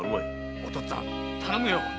お父っつぁん頼むよ。